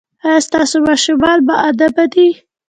ایا ستاسو ماشومان باادبه دي؟